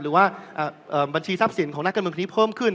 หรือว่าบัญชีทรัพย์สินของนักการเมืองคนนี้เพิ่มขึ้น